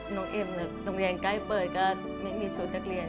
เอ็มโรงเรียนใกล้เปิดก็ไม่มีชุดนักเรียน